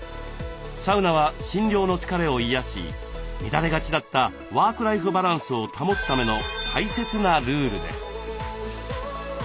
サウナは診療の疲れを癒やし乱れがちだったワークライフバランスを保つための大切なルールです。